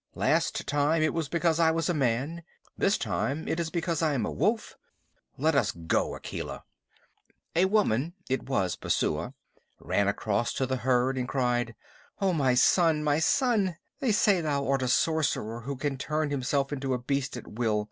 Last time it was because I was a man. This time it is because I am a wolf. Let us go, Akela." A woman it was Messua ran across to the herd, and cried: "Oh, my son, my son! They say thou art a sorcerer who can turn himself into a beast at will.